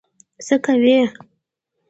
څه کوي.